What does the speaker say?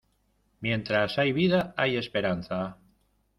Mientras hay vida hay esperanza.